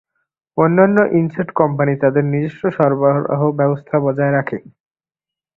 অন্যান্য ইনসেট কোম্পানি তাদের নিজস্ব সরবরাহ ব্যবস্থা বজায় রাখে।